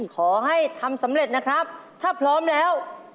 ขอให้ทำสำเร็จนะครับถ้าพร้อมแล้ว